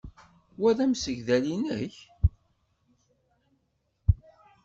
Wa d amsegdal-nnek?